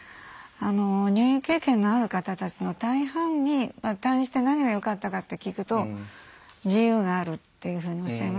入院経験のある方たちの大半に退院して何がよかったかって聞くと自由があるっていうふうにおっしゃいますよね。